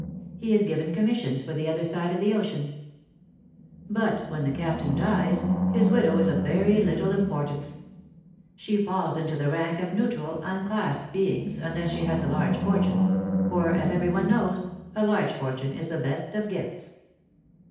He is given commissions for the other side of the ocean. But when the Captain dies, his widow 44 PHILOMiiNE's MARRIAGES. is of very little importance. She falls into the rank of neutral, unclassed beings, unless she has a large fortune ; for as every one knows, a large fortune is the best of gifts.